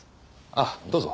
あっどうぞ。